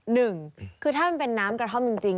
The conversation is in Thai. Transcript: หนึ่งคือถ้ามันเป็นน้ำกระท่อมจริง